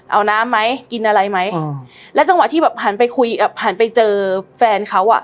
เอาน้ำไหมกินอะไรไหมอืมแล้วจังหวะที่แบบหันไปคุยอ่ะหันไปเจอแฟนเขาอ่ะ